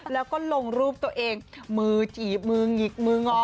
แล้วก็ลงรูปตัวเองมือจีบมือหงิกมืองอโอ้โฮโอ้โฮ